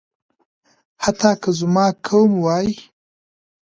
حتی که زما قوم وايي.